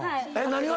何が？